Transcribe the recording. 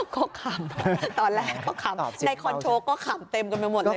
ก็ขำตอนแรกก็ขำในคอนโทรก็ขำเต็มกันไปหมดเลย